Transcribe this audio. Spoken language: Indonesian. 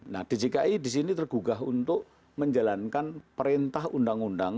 nah djki di sini tergugah untuk menjalankan perintah undang undang